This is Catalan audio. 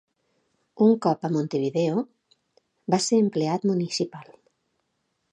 Un cop a Montevideo, va ser empleat municipal.